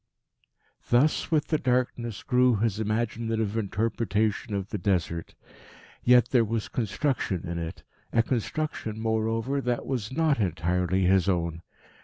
Thus with the darkness grew his imaginative interpretation of the Desert. Yet there was construction in it, a construction, moreover, that was not entirely his own.